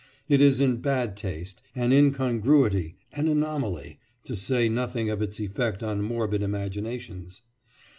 It is in bad taste, an incongruity, an anomaly; to say nothing of its effect on morbid imaginations."